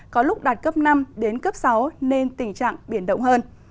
có lúc đạt cấp năm đến cấp sáu nên tình trạng biển động hơn